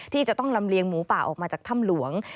ที่จะต้องลำเลียงหมูป่าออกมาจากถ้ำหลวง